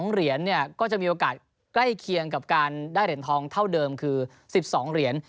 ๒เหรียญก็จะมีโอกาสใกล้เคียงกับการได้เหรียญทองเท่าเดิมคือ๑๒เหรียญ